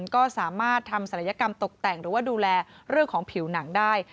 ก็สามารถทำศัลยกรรมตกแต่งหรือว่าดูแลเรื่องของผิวหนังได้